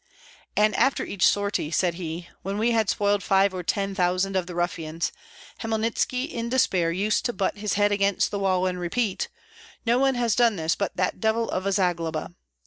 "And after each sortie," said ho, "when we had spoiled five or ten thousand of the ruffians, Hmelnitski in despair used to butt his head against the wall, and repeat, 'No one has done this but that devil of a Zagloba!'